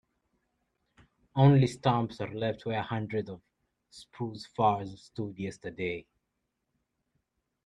Only stumps are left where hundreds of spruce firs stood yesterday.